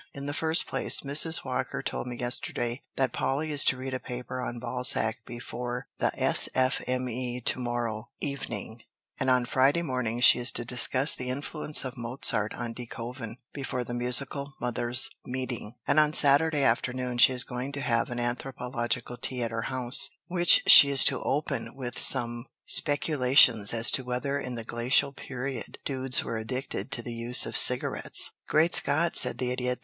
In the first place, Mrs. Whalker told me yesterday that Polly is to read a paper on Balzac before the S. F. M. E. to morrow evening, and on Friday morning she is to discuss the 'Influence of Mozart on De Koven' before the Musical Mothers' Meeting, and on Saturday afternoon she is going to have an anthropological tea at her house, which she is to open with some speculations as to whether in the Glacial Period dudes were addicted to the use of cigarettes." "Great Scott!" said the Idiot.